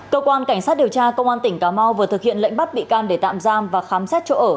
cơ quan cảnh sát điều tra công an tỉnh cà mau vừa thực hiện lệnh bắt bị can để tạm giam và khám xét chỗ ở